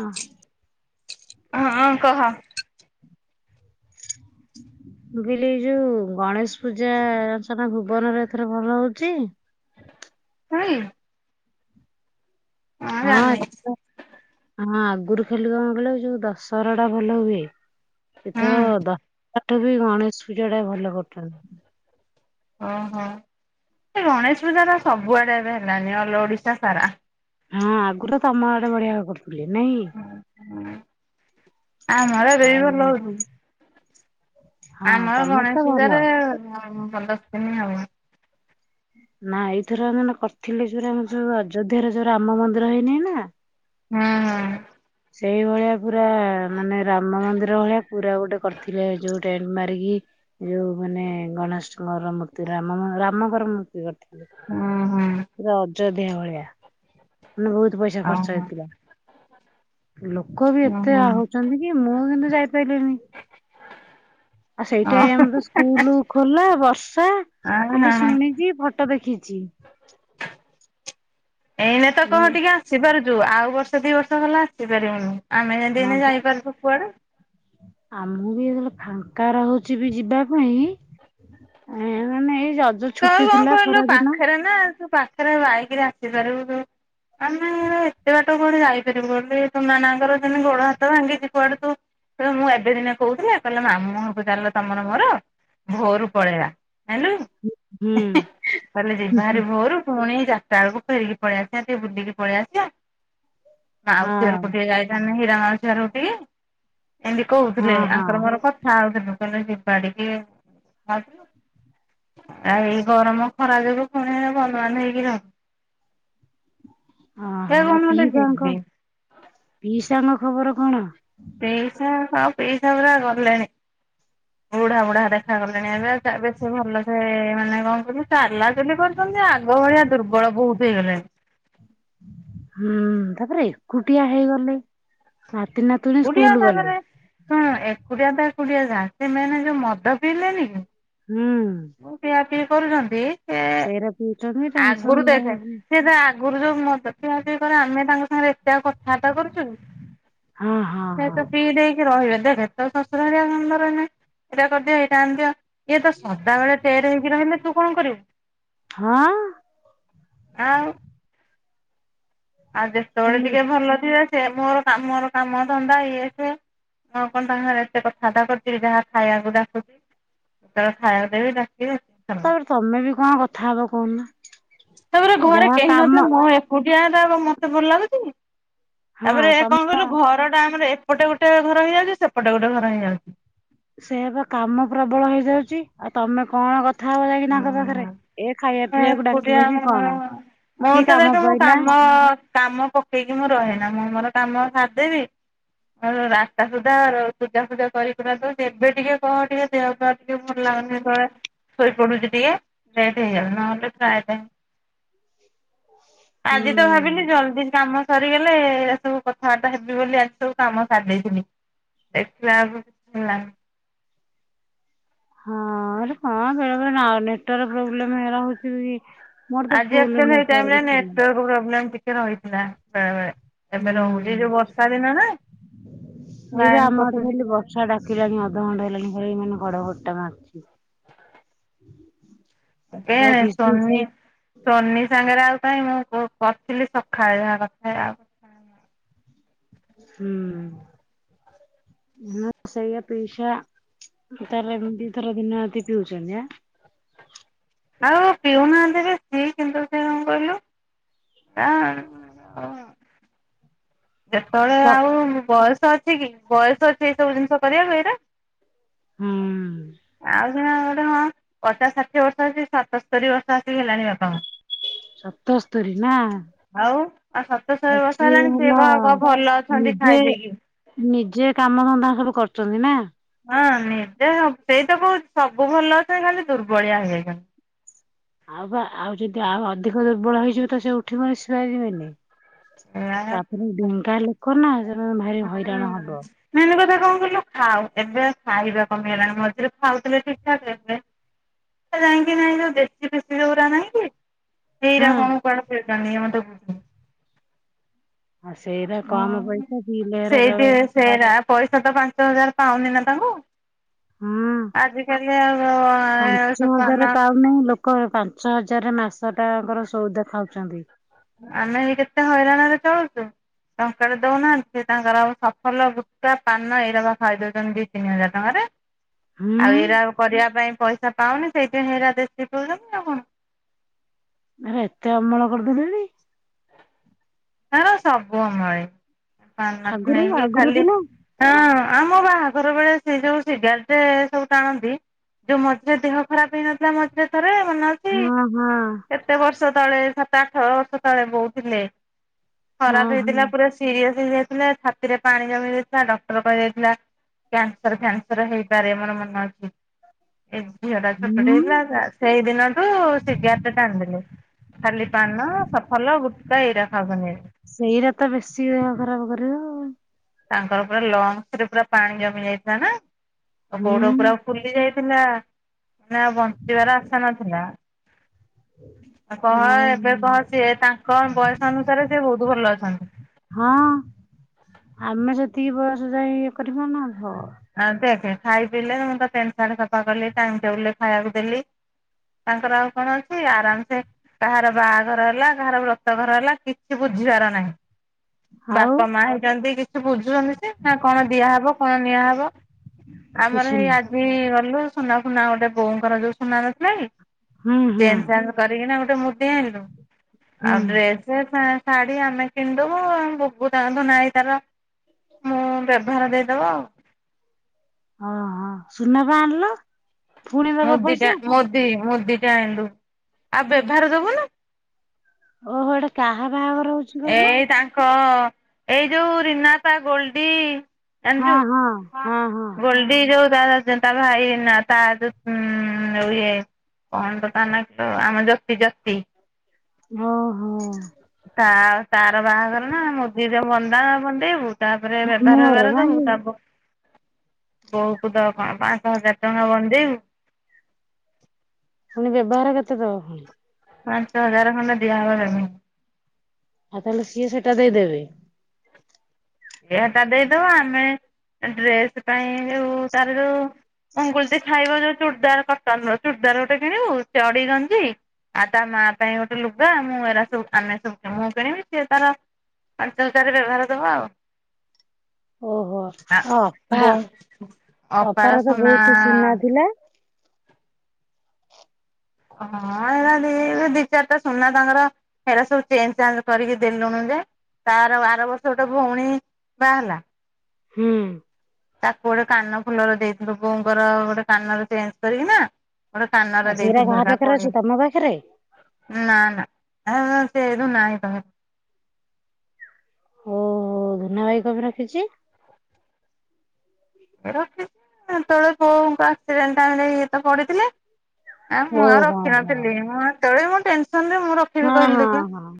ହଁ। ହଁ ହଁ କହ। [inaudible] ମୁଁ କହିଲି ଏଇ ଯୋଉ ଗଣେଶ ପୂଜାଚନା ଭୁବନ ରେ ଏଥର ଭଲ ହଉଛି? ହୁଁ। ହଁ ହଁ ଆଗରୁ ଖାଲି କଣ କହିଲ ଯୋଉ ଦଶହରା ଟା ଭଲ ହୁଏ। ଏଥର ହୁଁ ଦଶ [unintelligible] ବି ଗଣେଶ ପୂଜା ଟା ଭଲ କରୁଛନ୍ତି। ଓହୋଃ, ସେ ଗଣେଶ ପୂଜା ତ ସବୁଆଡ଼େ ଏବେ ହେଲାନି ଅଲ ଓଡିଶା ସାରା। ହଁ ଆଗରୁ ତ ତମ ଆଡେ ବଢିଆ କରୁଥିଲେ ନାଇଁ। ଆମର ଏବେ ବି ଆଉ ଭଲ ହେଉଛି। ହଁ ଆମର ତମର ଗଣେଶ ତ ଭଲ। ପୂଜାରେ [unintelligible] ହବ। ନା ଏଇଥର ମାନେ କରିଥିଲେ ଯୋଉ ଆମ ଯୋଉ ଅଯୋଧ୍ୟ ର ଯୋଉ ରାମ ମନ୍ଦିର ହେଇନି ନା। ହଁ ହଁ। ସେଇ ଭଳିଆ ପୁରା ମାନେ ରାମ ମନ୍ଦିର ଭଳିଆ ପୁରା ଗୋଟେ କରିଥିଲେ ଯୋଉ ଟେଣ୍ଟ ମାରିକି ଯୋଉ ମାନେ ଗଣେଶଙ୍କର ମୂର୍ତ୍ତି ର ରାମଙ୍କର ମୂର୍ତ୍ତି କରିଥିଲେ। ହୁଁ। ହୁଁ ପୁରା ଅଯୋଧ୍ୟା ଭଳିଆ। ମାନେ ବହୁତ ପଇସା ଖର୍ଚ୍ଚ ଓହୋ ହେଇଥିଲା। ଲୋକ ବି ହୁଁ ଏତେ ହୁଁ ହଉଛନ୍ତି କି, ମୁଁ କିନ୍ତୁ ଯାଇପାରିଲିନି। ଆଉ ଓ ସେଇଟା ଆମର ସ୍କୁଲ ଖୋଲା, ବର୍ଷା ଆ ଖାଲି ହଁ। ଶୁଣିକି ଫ ଟ ଦେଖିଛି। ଏଇନେ ତ କଣ ଟିକେ ଆସି ପାରୁଛୁ ଆଉ ବର୍ଷ ଦି ବର୍ଷ ହେଲା ଆସି ପାରିବୁନି ଆମେ ଯେମିତି ଏ ଯାଇ ପାରୁନୁ କୁଆଡେ। ଆମ ବି ଏତେବେଳେ ଫାଙ୍କା ରହୁଛି ବି ଯିବା ପାଇଁ ଏ ମାନେ ଏଇ ରଜ ତମେ ଛୁଟି କଣ ଥିଲା କହିଲୁ ଖରା ଦିନ। ପାଖରେ ନା ତୁ ପାଖରେ ବାଇକିରେ ଆସିପାରିବୁ। ତୁ ଆମେ ଏତେ ବାଟ କୁଆଡ଼େ ଆଡେ ଯାଇ ପାରିବୁନି। [unintelligible] ଯେମିତି ଗୋଡ ହାତ ଭାଙ୍ଗିଛି [unintelligible] ମୁଁ ଏବେ ଦିନେ କହୁଥିଲେ କହିଲେ ମାମୁଁ ଘରକୁ ଚାଲ ତମର ମୋର ଭୋରୁ ପଳେଇବା। [unintelligible] ହୁଁ। କହିଲେ ଯିବା ଭାରି ଭୋରୁ ପୁଣି ଯା ବେଳକୁ ଫେରିକି ପଳେଇଆସିବା ଟିକେ ବୁଲିକି ପଳେଇ ଆସିବା। ମାଉସୀ ହଁ ଘରକୁ ଟିକେ ଯାଇ ହୀରା ମାଉସୀ ଘରକୁ ଟିକେ। ଏମିତି ହଁ କହୁଥିଲେ, ହଁ ଆଙ୍କର ମୋର କଥା ହଉଥିଲୁ। କହିଲେ ଯି। [unintelligible] ଆଉ ଏଇ ଗରମ ଖରା ଯୋଗୁ ପୁଣି ବନ୍ଦ୍ ବାନ୍ଦେ ହେଇକି ର ହେ ଓହୋଃ, କଣ ଗୋଟେ ଯିବି ପିଇସାଙ୍କ ପିଇସାଙ୍କ ଖବର କଣ? ପିଇସା ଆଉ ପିଇସା ପୁରା ଗଲେଣି। ବୁଢା ବୁଢା ଦେଖା ଗଲେଣି ଏବେ ସେ ବେଶୀ ଭଲ ସେ ମାନେ କଣ କହିଲୁ ଚାଲା ଚାଲି କ ମାନେ ଆଗ ଭଳିଆ ଦୁର୍ବଳ ବହୁତ ହେଇଗଲେଣି। ହୁଁ, ତାପରେ ଏକୁଟିଆ ହେଇଗଲେ। ନାତି ନାତୁଣୀ ଏକୁଟିଆ ସ୍କୁଲ ଗଲେ। ତାପରେ ଶୁଣ ଏକୁଟିଆ ତ ଏକୁଟିଆ ଯାହା, ସେ ମେନେ ଯୋଉ ମଦ ପିଇଲେନି କି ହୁଁ। ପିଆ ପିଇ କରୁଛନ୍ତି ସେ ସେରା ପିଉଛନ୍ତି ଆଗରୁ ଟେନ୍ସନ ଦେଖେ ରହିକି। ସେ ଆଗରୁ ଯୋଉ ମଦ ପିଆ ପିଇ କରେ ଆମେ ତାଙ୍କ ସାଙ୍ଗରେ ଏତେ ଆଉ କଥାବାର୍ତ୍ତା କରୁଛୁ କି। ହଁ ହଁ ହଁ ସେତ ଫ୍ରି ଡେ ରହିବେ ଦେଖ ତୋ ଶଶୁର କଣ କରିବେ ଏଇଟା କରିଦିଅ ଏଇଟା ଆଣିିଅ ଦିଅ ଇଏତ ସବୁ ଟେରେ ହେଇକି ରହିଲେ ତୁକଣ କରିବୁ। ହଁ। ଆଉ। ଆଉ ଯେତେବେଳେ ଟିକେ ଭଲ ଥିବେ ସେ ମୋର ମୋର ମୋର କାମ ଧନ୍ଦା ଇଏ ସିଏ। ମୁଁ କଣ ତାଙ୍କ ସାଙ୍ଗରେ ଏତେ କଥାବାର୍ତ୍ତା କରଚିକି ଯାହା ଖାଇବାକୁ ଡାକୁୁଚି ଯେତେବେଳେ ଖାଇବାକୁ ଦେବି ଡାକିବେ ଆ ତାପରେ ତମେବି କଣ କଥା ହବ କହୁନ। ତାପରେ ଘରେ ଯାହା କେହି କାମ ନଥିବ ମୁଁ ଏକୁଟିଆଟା ମତେ ଭଲ ଲାଗୁଚିକି। ହଁ ତାପରେ ତମେ କଣ କହିଲୁ ଘରଟା ଆମର ଏପଟେ ଗୋଟେ ଘର ହେଇଯାଉଚି ସେପଟେ ଗୋଟେ ଘର ହେଇଯାଉଚି। ସେଇଆ‌ବା କାମ ପ୍ରବଳ ହେଇଯାଉଚି ଆଉ ତମେ କଣ କ କଥା ହବ ଯାଇକି ତାଙ୍କ ପାଖରେ ହୁଁ। ଏ ଖାଇବା ପିଇବାକୁ ଡାକିବକି କଣ କି ମୋରତ କାମ ଦେଖେ ମୋ ପଇଲା କାମ କାମ ପକେଇକି ମୁଁ ରହେନା ମୁଁ ମୋର କାମ ସାରିଦେବି ମୋର ଆଠଟା ସୁଧା ପୂଜା ଫୂଜା କରିିକୁରା ଦଉଚି ଏବେ ଟିକେ କଁ ଟିକେ ଦେହଟା ଟିକେ ଭଲ ଲାଗୁନି ଯେତେବେଳେ ଶୋଇପଡୁଚି ଟିକେ ଲେଟ୍ ହେଇଯାଉଚି ନହେଲେ ପ୍ରୀୟ ଟାଇମ୍ ଆଜିତ ହୁଁ। ଭାବିଲି ଜଲ୍ଦି କାମ ସରିଗଲେ ଏ ସବୁ କଥାବାର୍ତ୍ତା ହେବି ବୋଲି ଆଜି ସବୁ କାମ ସାରି ଦେଇଥିଲି ଦେଖିଲାକୁ କିଛି ହେଲାନି। ହଁ ହେରା କଁ ବେଳେବେଳେ ନେଟୱର୍କ ପ୍ରୋବ୍ଲେମ୍ ରହୁଚିବି ଆଜି ଆକ୍ଚୁଲି ଏଇ ଟାଇମରେ ନେଟୱର୍କ ପ୍ରୋବେଲମ୍ ଟିକେ ରହିଥିଲା ବେଳେବେଳେ। ଏବେ ରହୁଚି ଯୋଉ ହୁଁ ବର୍ଷା ଦିନନା ଲାଇନ୍ କଟୁଚି ଫେରେ କେଜାଣି ଅଧଘଣ୍ଟେ ହେଲାଣି ମାନେ ଘଡ଼ଘଡ଼ିଟା ମାରୁଚି। [inaudible] ତତେ ପୁରା ଫିସ୍ ଫିସ୍ ସୋନୀ ହୁଁ ସୋନୀ ସାଙ୍ଗରେ ଆଉ କାଇ ମୁଁ କରିଥିଲି ସକାଳେ ଯାହା କଥାହେଇ ଆଉ ହୁଁ ନାଁ ସେଇଆ ପିଇଷା ତାହାଲେ ଏମିତି ଦିଇଥର ଦିନରାତି ପିଉଚନ୍ତି ଆଁ? ଆଉ ପିଉନାହାନ୍ତିଯେ କିନ୍ତୁ ସେକଁ କହିଲୁ [unintelligible] ସେତେବେଳେ ତ ଆଉ ବୟସ ଅଛିକି ବୟସ ଅଛି ଏଇ ସବୁ ଜିନିଷ କରିବାକୁ ଏଇରା? ହୁଁ। ଆଉ ସିନା ଗୋଟେ ହଁ ପଚାଶ ଷାଠିଏ ବର୍ଷ ଅଛି ସତସ୍ତରୀ ବର୍ଷ ଆସିକି ହେଲାଣି ବାପାଙ୍କୁ ସତସ୍ତରୀ ନା? ଆଉ ଆଉ ସତସ୍ତରି ବାକି ବର୍ଷ ହେଲାଣି ସିଏ ହେଲା କଣ କଁ ଭଲ ଅଛନ୍ତି ନିଜେ ଖାଇ ପିଇକି। ନିଜେ କାମ ଧନ୍ଦା ସବୁ କରୁଚନ୍ତିନା? ହଁ ନିଜେ ସବୁ ସେଇତ କହୁଚି ସବୁ ଭଲ ଅଛନ୍ତି ଖାଲି ଦୁର୍ବଳିଆ ହେଇଯାଇଚନ୍ତି। ଆଉ ବା ଆଉ ଯଦି ଆଉ ଅଧିକ ଦୁର୍ବଳ ହେଇଯିବେତ ସେଉଠି ବ ବସିପାରିବେନି। ତାପରେ ଏଇଆ ଢେଙ୍କା ଲୋକନା ସେମାନେ ଭାରି ହୁଁ। ହଇରାଣ ହବ। ମେନ୍ କଥା କଁ କଥିଲୁ ଖାଉ ଏବେ ଖାଇବା କମିଗଲାଣି ମଝିରେ ଖାଉଥିଲେ ଠିକ୍ ଠାକ୍ ଏବେ ଯାଇକି ନାଇଁ ଯୋଉ ଦେଶୀ ଫେଶୀ ଯଉରା ନାହିଁକି ହଁ ସେଇରା କଣ କୁଆଡ଼େ ସେଇଟା ମତେ ବୁ ଆଁ ସେଇରା କମ୍ ପଇସା ପିଇଲେ ହେରା ସେଇଠି କାଳେ ସେରା ପଇସା ତ ପାଞ୍ଚ ହଜାର୍ ପାଉନି ନା ତାଙ୍କୁ। ହଁ ଆଜି କାଲି ଆଉ [unintelligible] ନାଇଁ ଲୋକ୍ କ ପାଞ୍ଚ ହଜାର୍ ରେ ମାସ ଟାଙ୍କର ସଉଦା ଖାଉଚନ୍ତି। ଆମେ ବି କେତେ ହଇରାଣରେ ଚଳୁଚୁ। ଟଙ୍କା ଟେ ଦଉନାହାନ୍ତି ସେ ତାଙ୍କର ସଫଲ, ଗୁଟ୍ଖା, ପାନ ଏଇରା ବା ଖାଇ ଦଉଚନ୍ତି ଦି ତିନି ହଜାର ଟଙ୍କାରେ। ହୁଁ ଆଉ ଏଇରା କରିବା ପାଇଁ ପଇସା ପାଉନି ସେଇଥିପାଇଁ ହେଇରା ଦେଶୀ ପିଉଚନ୍ତି ଆଉ କଣ। ଆରେ ଏତେ ଅମଳ କରିଦେଲେଣି। ତାଙ୍କର ସବୁ [unintelligible] ପାନ ଠୁ ଆଗରୁ ନେଇକି ଆଗରୁ ଖାଲି ଥିଲା ହଁ ଆମ ବାହାଘର ବେଳେ ସେଇ ଯଉ ସିଗାରଟେ ସବୁ ଟାଣନ୍ତି ଯଉ ମଝିରେ ଦେହ ଖରାପ୍ ହେଇନଥିଲା ମଝିରେ ଥରେ ମନେ ‌ଅଛ୍ ହୁଁ- ହୁଁ। କେତେ ବର୍ଷ ତଳେ ସାତ ଆଠ ବର୍ଷ ତଳେ ବଉ ଥିଲେ ହଁ ଖରାପ୍ ହଁ ହେଇଥିଲା ପୁରା ସିରିଏସ୍ ହେଇଯାଇଥିଲା ଛାତିରେ ପାଣି ଜମି ଯାଇଥିଲା ଡକ୍ଟର କହିଦେଇଥିଲା କ୍ୟାନ୍ସର ଫ୍ୟାନ୍ସର୍ ହେଇପାରେ ମୋର ମନେ ଅଛି ଏ ଝିଅ ଟା ଛୋଟ ଟେ ହୁଁ ହେଇଥିଲା ତା ସେଇ ଦିନ ଠୁ ସିଗାରେଟ୍ ଟାଣିଲେଣି ଖାଲି ପାନ, ସଫଲ, ଗୁଟ୍ଖା ଏଇରା [unintelligible] ସେଇରା ତ ବେଶୀ ଦେହ ଖରାପ କରିବ। ତାଙ୍କର ପୁରା ଲଙ୍ଗ୍ସ୍ ରେ ପୁରା ପାଣି ଜମି ଯାଇଥିଲା ନା ଅ- ଗୋଡ ହୁଁ ପୁରା ଫୁଲି ଯାଇଥିଲା ମାନେ ଆଉ ବଞ୍ଚିବାର ଆଶା ନଥିଲା। ଆଉ କହ ଏବେ କହ ସିଏ ତାଙ୍କ ବୟସ ଅନୁସାରେ ସିଏ ବହୁତ୍ ଭଲ ଅଛନ୍ତି। ହଁ ଆମେ ସେତିକି ବୟସ ଯାଇ ଇଏ କରି ପାରୁନଥବ ଆ ଦେଖେ ଖାଇ ପିଇଲେ ମୁଁ ତ ପେଣ୍ଟ୍ ସାଟ୍ ସଫା କଲି ଟାଇମ୍ ଟେବୁଲ୍ ରେ ଖାଇବାକୁ ଦେଲି ତାଙ୍କର ଆଉ କଣ ଅଛି ଆରାମ୍ ସେ କାହାର ବାହାଘର ହେଲା କାହାର ବ୍ରତ ଘର ହେଲା କିଛି ବୁଝିବାର ନାହିଁ। ଆଉ ବାପା ମା ହେଇଚନ୍ତି ଯେ କିଛି ବୁଝୁଚନ୍ତି ସେ ନା କଣ ଦିଆହବ କଣ ନିଆହବ ଆମର କିଛି ଏଇ ନୁହଁ ଆଜି ଗଲୁ ସୁନା ଫୁନା ଗୋଟେ ବଉଙ୍କର ଯଉ ସୁନା ନଥିଲା କି ହୁଁ ହୁଁ ଚେଞ୍ଜ୍ ଚାଞ୍ଜ୍ କରିକିନା ଗୋଟେ ମୁଦି ଆଣିଲୁ ଆଉ ହୁଁ। ଡ୍ରେସେ ଫେ ଶାଢୀ ଆମେ କିଣି ଦବୁ [unintelligible] ନାଇଁ ତାର ମୁଁ ବେଭାର ଦେଇଦବ ଆଉ। ଓହୋ ସୁନା ବା ଆଣିଲ? ପୁଣି ଦବ ମୁଦି ଟେ ପଇସା ଆ- ମୁଦି -ମୁଦି ଟେ ଆଣିଲୁ ଆଉ ବେଭାର ଦବୁନୁ। ଓହୋ ଏଟା ଏଇ ତାଙ୍କ ଏଇ ଯଉ ରିନା ତା ଗୋଲ୍ଡି ହଁ ଜାଣିଚୁ ହଁ ହଁ ହଁ ଗୋଲ୍ଡି ଯଉ [unintelligible] ତା ଭାଇ ଏଇନା ତା ଉଁ -ଇଏ କଣ ତ ତା ନାଁ ଲୋ ଆମ ଜତି ଜତି। ଓ ହୋ। ତା ତାର ବାହାଘର ନା ମୁଦି ଟେ ବନ୍ଦାଣ ବନ୍ଦେଇବୁ ତାପରେ ମାମୁଁ ବେଭାର ଘର ବେଭାର ଦବୁ ନାଇଁ କି? ତାପ ବୋହୂକୁ ତ କଣ ପାଞ୍ଚ ହଜାର୍ ଟଙ୍କା ବନ୍ଦେଇବୁ ପୁଣି ବେଭାର କେତେ ଦବ ପୁଣି? ପାଞ୍ଚ ହଜାର ଖଣ୍ଡେ ଦିଆ ହବ ବେଭାର। ଆଉ ତାହେଲେ ସିଏ ସେଟା ଦେଇଦେବେ। ସିଏ ହେଟା ଦେଇଦବ ଆମେ ଡ୍ରେସ୍ ପାଇଁ ଯଉ ତାର ଯଉ ମଙ୍ଗୁଳୁତି ଖାଇବ ଯୋଉ, ଚୁଡ଼ଦାର କଟନ୍ ର ଚୁଡ଼ଦାର୍ ଗୋଟେ କିଣିବୁ। ଚଡ଼ି, ଗଞ୍ଜି ଆଉ, ତା ମା ପାଇଁ ଗୋଟେ ଲୁଗା। ମୁଁ ଏରା ସବୁ ଆମେ ସବୁ ମୁଁ କିଣିବି। ସେ ତାର ପାଞ୍ଚ ହଜାରେ ବେଭାର ଦବ ଆଉ। ଓହୋ! ଆଉ ଅ-ଅପା, ବୋଉ ଅପାର ତ ବୋହୁତୁ ସୁନା ଥିଲା। ହଁ, ଏରା ଲି-ଇ ଦି, ଚାରଟା ସୁନା ତାଙ୍କର ହେରା ସବୁ ଚେଞ୍ଜ୍ ଚାଞ୍ଜ୍ କରିକି ଦେଲୁଣୁ ଯେ। ତାର, ଆର ଆର ବର୍ଷ ଗୋଟେ, ଭୋଉଣୀ ବାହ୍ ହେଲା। ହୁଁ। ତାକୁ ଗୋଟେ କାନ ଫୁଲର ଦେଇଥିଲୁ। ବୋଉଙ୍କର ଗୋଟେ କାନର ଚେଞ୍ଜ୍ କରିକି ନା ଗୋଟେ କାନ ର ଆଉ ସେଇଟା ଦେଇଥିଲୁ କାହା ହେଟା, ପାଖରେ ଅଛି କୋଡିଏ ତମ ପାଖରେ? ନାଁ, ନା, ଏରାଁ ସେ ଏଇନୁ ନାଇଁ କଲେ। ଓହୋ, ଧୁନା ଭାଇ କପେଁ ରଖିଚି? ରଖିଚି ହେତଳେ ବୋଉଙ୍କ ଅକ୍ସିରେଣ୍ଟ ଟାଇମ୍ ରେ ଇଏ ତ ପଡିଥିଲେ। ଆ, ଓ ମୁଁ ଆଉ ହଁ ହଁ ରଖିିନଥିଲି। ମୁଁ ହେତେବେଳେ ମୁଁ ଟେନ୍ ସନ୍ ରେ, ମୁଁ ରଖ୍ ଖିବି ହଁ କହିଲୁ ହଁ ଦେଖିଆ! ହଁ।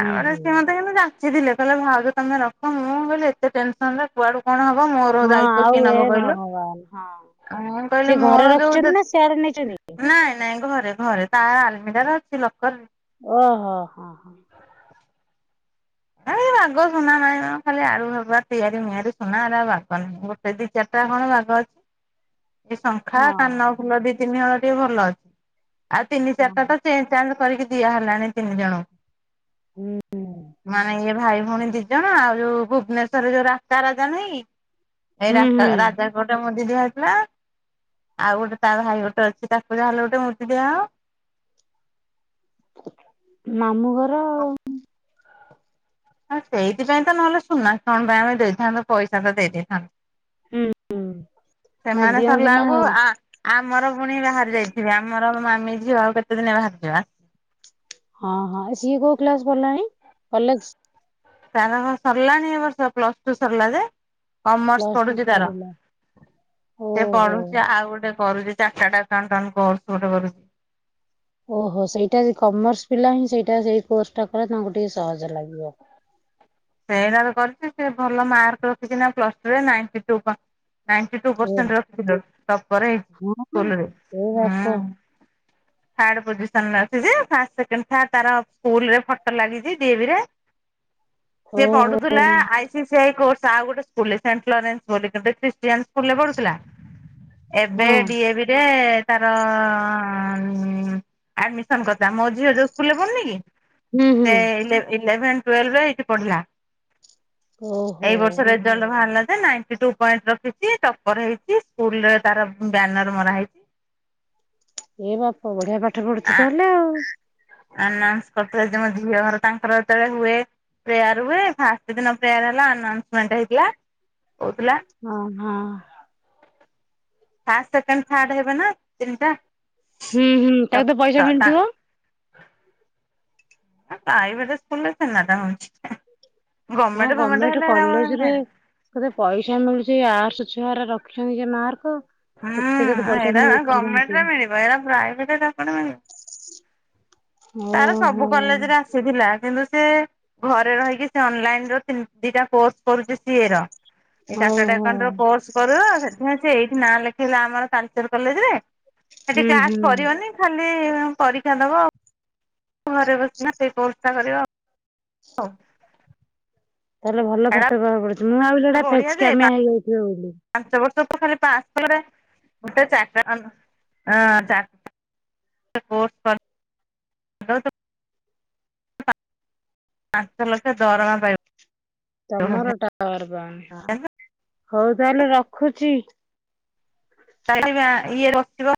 ହୁଁ ହୁଁ ସେ ମତେ କିନ୍ତୁ ଯାଚିଥିଲେ। କହିଲେ ଭାଉଜ ତମେ ରଖ। ମୁଁ କହିଲି ଏତେ ଟେନ୍ ସନରେ କୁଆଡୁ କଣ ହବ? ମୋର ହଁ ଦାୟୀ ହୋଉ ଆଉ କିଏ ଏ ନବ କଇଲୁ? ଭଗବାନ ହଁ। ଆଉ ମୁଁ କଇଲି ସେ ଘରେ ମୋର ଯଉ ରଖିଛନ୍ତି ଜେ ନା ସିଆଡେ ନେଇଛନ୍ତି? ନାଇଁ ନାଇଁ ଘରେ ଘରେ। ତା' ଆ-ଆଲମିରା ରେ ଅଛି, ଲକର୍ ରେ। ଓହୋ, ହଁ, ହଁ। ଏଇବା ବାଗ ସୁନା ନାହିଁ ମ। ଖାଲି ଆଳୁ ହେବା ତିଆରି ମିଆରି ସୁନା ହେରା ବାଗ ନାହିଁ। ଗୋଟେ, ଦି, ଚାର ଟା, କଣ ବାଗ ଅଛି। [inaudible] ଏଇ ଶଙ୍ଖା, ହଁ କାନ ଫୁଲ ଦି, ତିନି ହଳ ଟିକେ ଭଲ ଅଛି। ଆଉ ତିନି, ଚାର ହଁ, ଟା ତ ଚେନ୍ ଚେଞ୍ଜ୍ କରିକି ଦିଆ ହେଲାଣି ତିନି ଜଣଙ୍କୁ। ଉଁ, ହୁଁ। ମାନେ ଇଏ ଭାଇ, ଭଉଣୀ ଦି ଜଣ, ଆଉ ଯୋଉ ଭୁବନେଶ୍ଵରରେ ଯଉ ରାତା ରାଜା ନାହିଁ! ଏଇ ହୁଁ ରାସ୍ତା ହୁଁ ରାଜା ଗଟେ ମୁଁନ୍ ଦି ଦିଆ ହେଇଥିଲା। ଆଉ ଗୋଟେ ତା ଭାଇ ଗୋଟେ ଅଛି, ତାକୁ ଯାହେଲେ ଗୋଟେ ମୁଦି ଦିଆଁ ହଉ। ମାମୁଁ ଘର ଆଉ। ଆ ସେଇଥିପାଇଁ ତ ନହେଲେ ସୁନା କଣ ପାଇଁ ଆମେ ଦେଇଥାନ୍ତୁ? ପଇସା ତ ଦେଇ ଦେଇଥାନ୍ତୁ। ହୁଁ ହୁଁ ନା ସେମାନେ ଦିଅନ୍ତି ନା ସରଲା୍ କୁ ଆଁ ଆମର ପୁଣି ବାହାରି ଯାଇଥିବେ। ଆମର ମୋ ମାମି ଝିଅ ଆଉ କେତେ ଦିନ ବାହାରଚି ବା? ହଁ, ହଁ, ସିଏ କୋଉ କ୍ଲାସ୍ ପଢିଲାଣି? କଲେଜ! ତାର କଁ ସରିଲାଣି ଏ ବର୍ଷ? ପ୍ଲସ୍ ଟୁ ସରିଲା ଯେ। କମର୍ସ ପ୍ଲସ ଟୁ ପଢୁଚି ତାର। ସରିଲା ସେ ଓହୋ ପଢୁଚି ଆଉ ଗୋଟେ କରୁଚି। ଚାର୍ଟାଡ୍ ଆକାଉନ୍ଟାନ୍ କୋର୍ସ ଗୋଟେ କରୁ ଓହୋ! ସେଇଟା ଜି କମର୍ସ ପିଲା ହିଁ ସେଇଟା ସେଇ କୋର୍ସଟା କଲେ, ତାଙ୍କୁ ଟିକେ ସହଜ ଲାଗିବ। ସେଇଟା ତ କରୁଚି। ସେ ଭଲ ମାର୍କ ରଖିଛି ନା ପ୍ଲସ୍ ଟୁ ରେ। Ninety two per ninety two ଏ ପରସେଣ୍ଟ ରଖିଛିଲୋ। ଟପର୍ ହେଇ ହଁ ସ୍କୁଲରେ, ଏ ବାପ ହୁଁ। ଥାର୍ଡ ପୋଜିସନ୍ ରେ ଅଛିଯେ। ଫାଷ୍ଟ, ସେକେଣ୍ଡ, ଥାର୍ଡ ତାର ସ୍କୁଲ ରେ ଫଟ ଲାଗିଚି। ଡି ଏ ଭି ରେ। ସିଏ ଓହୋ ପଢୁଥିଲା I C C I course. ଆଉ ଗୋଟେ ସ୍କୁଲରେ ସେଣ୍ଟଲରେନ୍ସ ବୋଲି [unintelligible] ଜେନ୍ସ ସ୍କୁଲ ରେ ପଢ଼ୁଥିଲା। ଏବେ ହଁ D A V A ତାର-ଅ-ଅଁ admission କଥା। ମୋ ଝିଅ ଯୋଉ ସ୍କୁଲ ରେ ପଢୁନି କି? ହୁଁ ହୁଁ ସେ ଇଲେ ଇଲେଭେନ୍ ଟୁଏଲଭ୍ ଏଇଠି ପଢିଲା। ଓହୋ ଏଇ ବର୍ଷ ରେଜାଲ୍ଟ ବାହାରିଲା ଯେ ନାଇଁଟି ଟୁ ପଏଣ୍ଟ ରଖିଛି ଟପର ହେଇଛି ସ୍କୁଲ ରେ ତାର ବ୍ୟାନର ମରା ହେଇଛି। ଏ ବାପ ବଢିଆ ପାଠ ପଢୁଛି ଆ ତାହେଲେ ଆଉ। ଆନାଉନ୍ସ କରିୁଥିଲେ ଯେ ମୋ ଝିଅ ଘର ତାଙ୍କର ଯେତେବେଳେ ହୁଏ। ପ୍ରେୟାର ହୁଏ ଫାଷ୍ଟ ଦିନ ପ୍ରେୟାର ହେଲା ଆନାଉନ୍ସମେଣ୍ଟ ହେଇଥିଲା କହୁଥିଲା। ଓ ହଁ। ଫାର୍ଷ୍ଟ ସେକେଣ୍ଡ ଥାର୍ଡ ହେବେ ନା ତିନିଟା। ହୁଁ ହୁଁ ତାକୁ ତ ପଇସା ମିଳିଥିବ? ପ୍ରାଇଭେଟ ସ୍କୁଲରେ ଛେନାଟା ହଉଛି ନା ଗମେଣ୍ଟଫମେଣ୍ଟ ଗଭର୍ଣମେଣ୍ଟ ହେଲେ କଲେଜରେ କେତେ ପଇସା ମିଳୁଛି ଆର୍ସ ଛୁଆ ରଖିଛନ୍ତି ଯେ ମାର୍କ। ହୁଁ କେତେ କେତେ ପଇସା ଏରା ମିଳୁଛି ତାଙ୍କୁ ଗମେଣ୍ଟ ରେ ମିଳିବ ଏଇଟା ପ୍ରାଇଭେଟ ରେ ଆ ମିଳିବ। ହ ତାର ସବୁ କଲେଜ ରେ ଆ ସେ ଥିଲା କିନ୍ତୁ ସେ ଘରେ ରହିକି ସେ ଅନ୍‌ଲାଇନ୍‌ ର ଦିଟା କୋର୍ସ କରୁଛି ସିଏ ର। ଏ ଓହୋ ଚାଟାଟେସଣ୍ଟ କୋର୍ସ କର ସେଥିପାଇଁ ସେ ଏଇଠି ନାଁ ଲେଖେଇଲା ଆମର ତାଲଚେର କଲେଜରେ। ହୁଁ ସେଠି କ୍ଲାସ ହୁଁ କରିବନି ଖାଲି ପରୀକ୍ଷା ଦବ ଆଉ। ଘରେ ବସିନା ସେଇ ବ୍ୟବସ୍ତା କରିବ ଆଉ ହୋଉ। ତାହେଲେ ଭଲ ପାଠ [unintelligible] ପଡୁଛି। ମୁଁ ଆଉ ସେଟା ବଢିଆ ଯେ ଫେଚ୍‌କାମିଆ ହେଇଯାଉଥିବ ବୋଲି। ପାଞ୍ଚ ବର୍ଷ ତ ଖାଲି ପାସ୍ କ ଗୋଟେ ଚାରଟହଁ ଚା କୋର୍ଟ କର। ନହଲେ ତ ପାଞ୍ଚ ଲକ୍ଷ ଦରମା ପାଇମ ତମର ଟାୱାର ପାଉନି ହଁ ହୋଉ ତାହେଲେ ରଖୁଚି। କାଲି ଇଏ ରଖିବ।